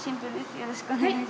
よろしくお願いします。